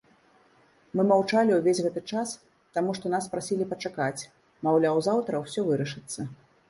Мы маўчалі ўвесь гэты час, таму што нас прасілі пачакаць, маўляў, заўтра ўсё вырашыцца.